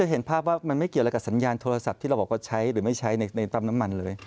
เห็นภาพว่ามันไม่เกี่ยวอะไรกับสัญญาณโทรศัพท์ที่เราบอกว่าใช้หรือไม่ใช้ในปั๊มน้ำมันเลย